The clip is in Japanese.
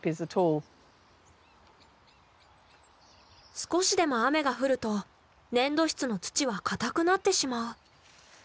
少しでも雨が降ると粘土質の土はかたくなってしまう。